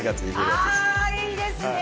あいいですね